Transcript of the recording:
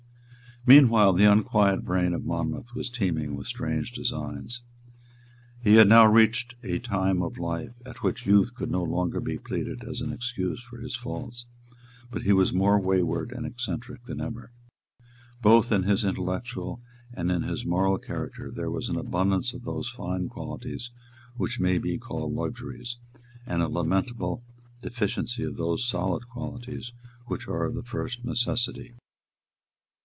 Meanwhile the unquiet brain of Monmouth was teeming with strange designs. He had now reached a time of life at which youth could no longer be pleaded as an excuse for his faults; but he was more wayward and eccentric than ever. Both in his intellectual and in his moral character there was an abundance of those fine qualities which may be called luxuries, and a lamentable deficiency of those solid qualities which are of the first necessity.